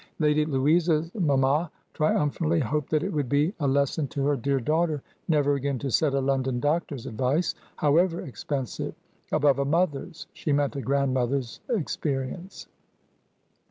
Lady Louisa's mamma triumphantly hoped that it would be a lesson to her dear daughter never again to set a London doctor's advice (however expensive) above a mother's (she meant a grandmother's) experience.